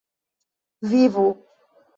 vivu